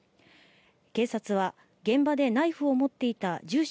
警察は現場でナイフを持っていた住所